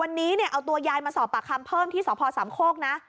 วันนี้เนี่ยเอาตัวยายมาสอบปากคำเพิ่มที่สพสามโคกนะ